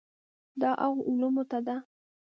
دا هغو علومو ته ده.